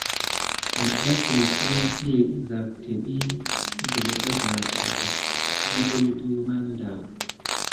Məgasem semeti isik tembi siderbaka atdé kubula de maneda.